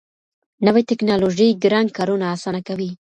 نوې ټیکنالوژي ګران کارونه اسانه کوي.